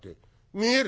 見える？